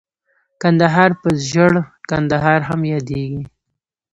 کندهار په ژړ کندهار هم ياديږي.